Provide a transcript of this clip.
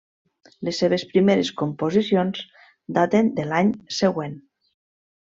Les seves primeres composicions daten de l'any següent.